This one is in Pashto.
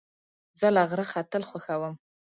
زه له غره ختل خوښوم.